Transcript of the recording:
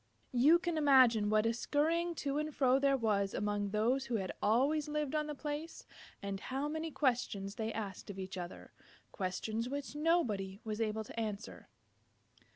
You can imagine what a scurrying to and fro there was among those who had always lived on the place, and how many questions they asked of each other, questions which nobody was able to answer.